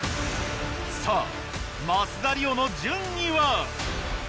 さぁ増田吏桜の順位は？